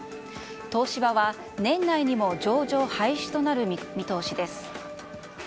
東芝は年内にも上場廃止となる見通しです。